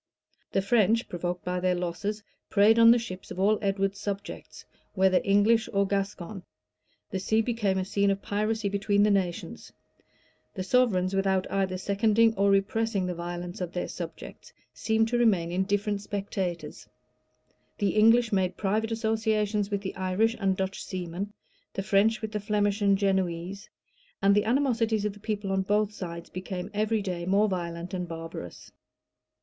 The French, provoked by their losses, preyed on the ships of all Edward's subjects, whether English or Gascon: the sea became a scene of piracy between the nations: the sovereigns, without either seconding or repressing the violence of their subjects, seemed to remain indifferent spectators: the English made private associations with the Irish and Dutch seamen; the French with the Flemish and Genoese;[] and the animosities of the people on both sides became every day more violent and barbarous.